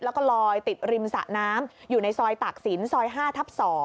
แล้วก็ลอยติดริมสะน้ำอยู่ในซอยตากศิลปซอย๕ทับ๒